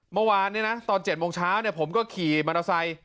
เมื่อวานนี่นะตอนเจ็ดโมงเช้าเนี่ยผมก็ขี่มันโทรไซต์